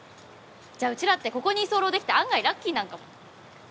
じゃあうちらってここに居候できて案外ラッキーなんかも。